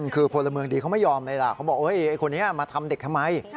คือพลเมืองดีเขาไม่ยอมเลยล่ะเขาบอกไอ้คนนี้มาทำเด็กทำไม